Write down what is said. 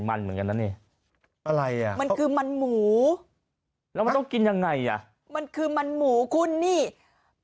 มันต้องปิ้งก่อนไหมมันต้องปิ้งแล้วมันหดอีก